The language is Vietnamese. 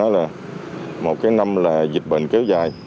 là một năm dịch bệnh kéo dài